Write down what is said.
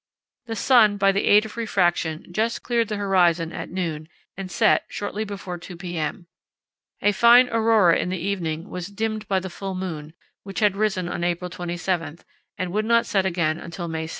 The sun by the aid of refraction just cleared the horizon at noon and set shortly before 2 p.m. A fine aurora in the evening was dimmed by the full moon, which had risen on April 27 and would not set again until May 6.